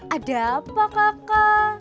ada apa kakak